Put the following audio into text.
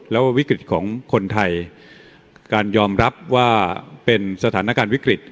แล้ววิกฤตของคนไทยการยอมรับว่าเป็นสถานการณ์วิกฤต